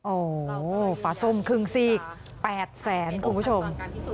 โอ้โหปลาส้มครึ่งซีก๘แสนคุณผู้ชม